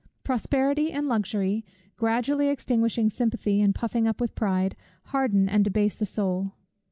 Prosperity and luxury, gradually extinguishing sympathy, and puffing up with pride, harden and debase the soul.